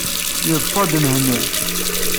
Yeḍsa-d Mhenni.